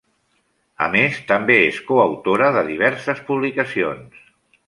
A més també és coautora de diverses publicacions.